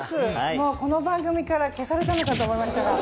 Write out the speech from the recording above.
もうこの番組から消されたのかと思いましたが。